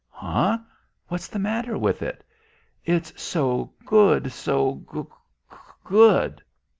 "Huh? What's the matter with it?" "It's so good, so g good."